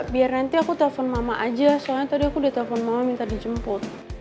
biar nanti aku telfon mama aja soalnya tadi aku udah telfon mama minta dijemput